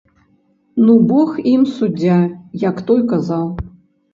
Ну бог ім суддзя, як той казаў.